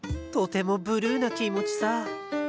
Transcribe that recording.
とてもブルーな気持ちさ。